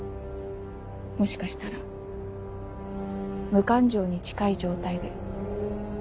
もしかしたら無感情に近い状態で。